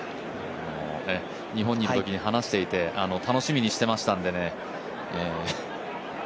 日本にいるときに話していて楽しみにしていましたので。